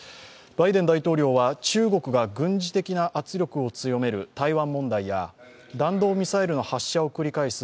バイデン大統領は中国が軍事的な圧力を強める台湾問題や弾道ミサイルの発射を繰り返す